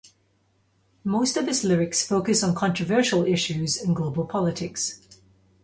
Most of his lyrics focus on controversial issues in global politics.